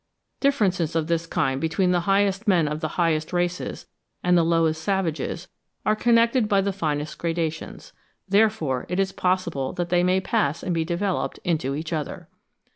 Differences of this kind between the highest men of the highest races and the lowest savages, are connected by the finest gradations. Therefore it is possible that they might pass and be developed into each other.